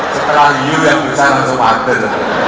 setelah yu yang bisa langsung pater